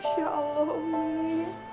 masya allah umi